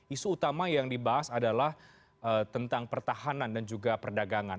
isu utama yang dibahas adalah tentang pertahanan dan juga perdagangan